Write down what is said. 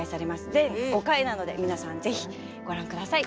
全５回なので皆さんぜひご覧下さい。